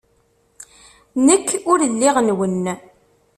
Nekk ur lliɣ nwen.